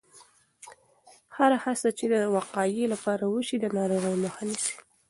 هره هڅه چې د وقایې لپاره وشي، د ناروغیو مخه نیسي.